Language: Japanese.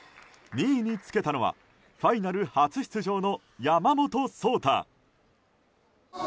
２位につけたのはファイナル初出場の山本草太。